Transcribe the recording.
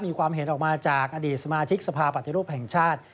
มีความเห็นออกมาจากอดีตสมาชิกสภาปฏิรูปแห่งชาติ